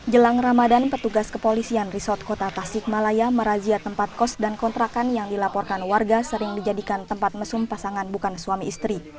jelang ramadan petugas kepolisian resort kota tasikmalaya merazia tempat kos dan kontrakan yang dilaporkan warga sering dijadikan tempat mesum pasangan bukan suami istri